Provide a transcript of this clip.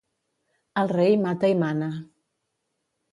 El rei mata i mana.